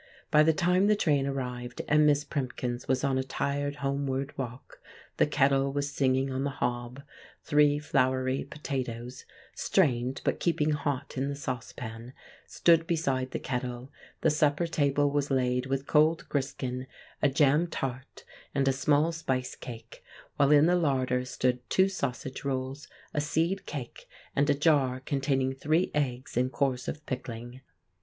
By the time the train arrived, and Miss Primkins was on a tired homeward walk, the kettle was singing on the hob; three floury potatoes—strained, but keeping hot in the saucepan—stood beside the kettle; the supper table was laid with cold griskin, a jam tart, and a small spice cake, while in the larder stood two sausage rolls, a seed cake, and a jar containing three eggs in course of pickling.